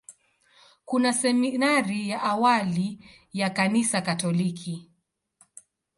Kuna seminari ya awali ya Kanisa Katoliki.